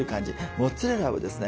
モッツァレラをですね